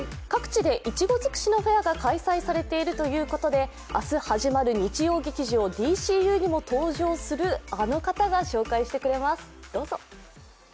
各地でいちご尽くしのフェアが開催されているということで、明日、始まる日曜劇場「ＤＣＵ」にも登場するあの方が紹介してくれます。